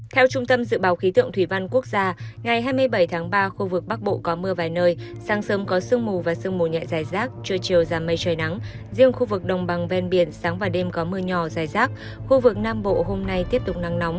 theo trung tâm dự báo khí tượng thủy văn quốc gia ngày hai mươi bảy tháng ba khu vực bắc bộ có mưa